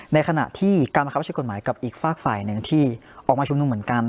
ในขณะที่การบังคับใช้กฎหมายกับอีกฝากฝ่ายหนึ่งที่ออกมาชุมนุมเหมือนกัน